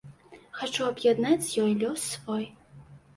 Хачу аб'яднаць з ёй лёс свой.